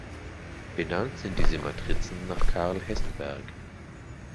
Benannt sind diese Matrizen nach Karl Hessenberg.